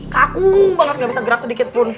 kaku banget gak bisa gerak sedikit